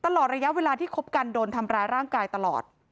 ตลอดระยะเวลาที่คบกันโดนทำร้ายร่างกายตลอด